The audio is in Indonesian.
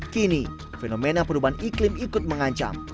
kini fenomena perubahan iklim ikut mengancam